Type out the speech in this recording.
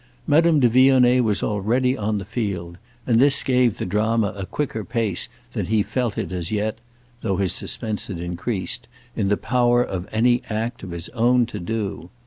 Madame de Vionnet was already on the field, and this gave the drama a quicker pace than he felt it as yet—though his suspense had increased—in the power of any act of his own to do.